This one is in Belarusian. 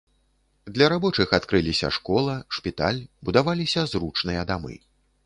Для рабочых адкрыліся школа, шпіталь, будаваліся зручныя дамы.